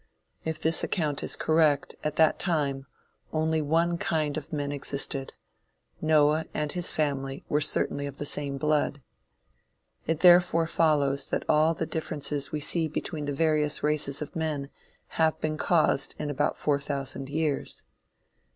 If this account is correct, at that time, only one kind of men existed: Noah and his family were certainly of the same blood. It therefore follows that all the differences we see between the various races of men have been caused in about four thousand years.